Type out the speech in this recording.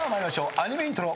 アニメイントロ。